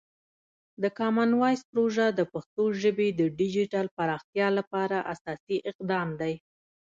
د کامن وایس پروژه د پښتو ژبې د ډیجیټل پراختیا لپاره اساسي اقدام دی.